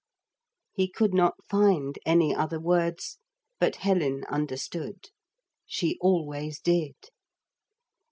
He could not find any other words, but Helen understood. She always did.